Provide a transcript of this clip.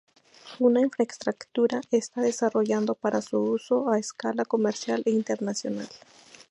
Una infraestructura se está desarrollando para su uso a escala comercial internacional.